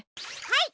はい！